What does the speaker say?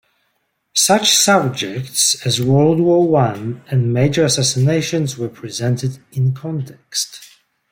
Such subjects as World War One and major assassinations were presented in context.